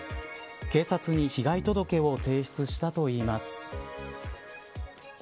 警察に被害届を提出したといいます。